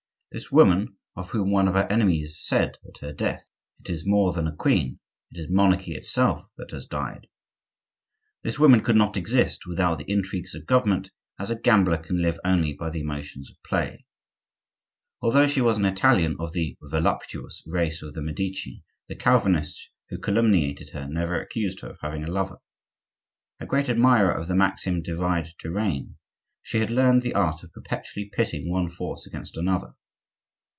This woman, of whom one of her enemies said at her death, "It is more than a queen, it is monarchy itself that has died,"—this woman could not exist without the intrigues of government, as a gambler can live only by the emotions of play. Although she was an Italian of the voluptuous race of the Medici, the Calvinists who calumniated her never accused her of having a lover. A great admirer of the maxim, "Divide to reign," she had learned the art of perpetually pitting one force against another.